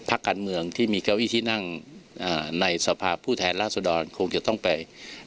พักการเมืองที่มีเก้าอี้ที่นั่งในสภาพผู้แทนราษฎรคงจะต้องไป